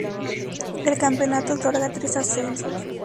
El campeonato otorga tres ascensos.